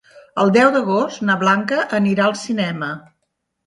El deu d'agost na Blanca anirà al cinema.